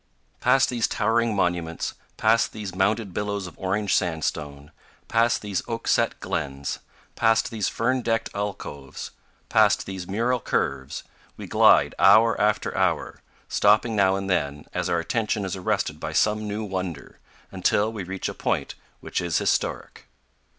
Past these towering monuments, past these mounded billows of orange sandstone, past these oak set glens, past these fern decked alcoves, past these mural curves, we glide hour after hour, stopping now and then, as our attention is arrested by some new wonder, until we reach a point which is historic.